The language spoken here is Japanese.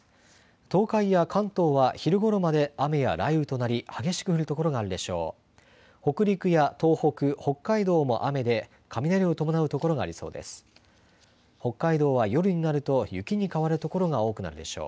東海や関東は昼ごろまで雨や雷雨となり激しく降る所があるでしょう。